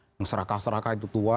yang seraka seraka itu tua